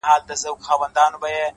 • فلسفې نغښتي دي؛